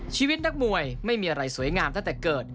ชีวิตนักมวยไม่มีอะไรสวยงามตั้งแต่เกิด